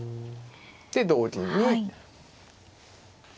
で同銀に。